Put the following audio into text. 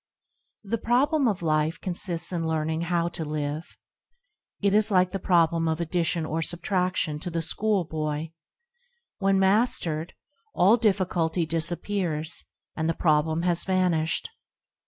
a THE problem of life consists in learn ing how to live. It is like the problem of addition or subtra&ion to the school boy. When mastered, all difficulty disap pears, and the problem has vanished.